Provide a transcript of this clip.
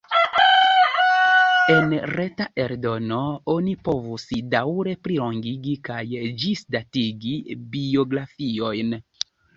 En reta eldono oni povus daŭre plilongigi kaj ĝisdatigi biografiojn.